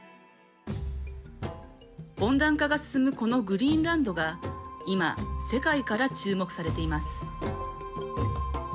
温暖化が進むこのグリーンランドが今、世界から注目されています。